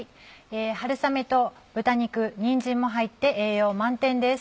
春雨と豚肉にんじんも入って栄養満点です。